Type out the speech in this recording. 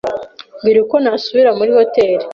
Mbwira uko nasubira muri hoteri.